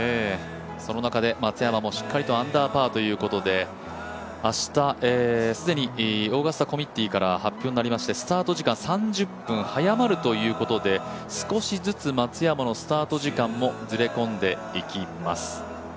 その中で松山もしっかりとアンダーパーということで明日、すでにオーガスタコミッティーから発表がありましてスタート時間、３０分早まるということで少しずつ松山のスタート時間もずれ込んでいきます。